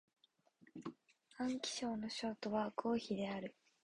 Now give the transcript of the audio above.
安徽省の省都は合肥である